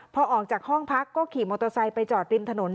พอออกจากห้องพักก็ขี่มอเตอร์ไซค์ไปจอดริมถนน